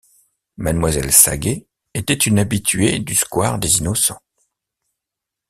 Mademoiselle Saget était une habituée du square des Innocents.